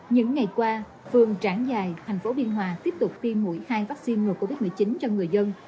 những ngày qua phường trảng giài tp biên hòa tiếp tục tiêm mũi hai vaccine ngừa covid một mươi chín cho người dân